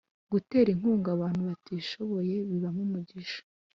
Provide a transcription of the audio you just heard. Gutera inkunga abantu batishoboye bibamo umugisha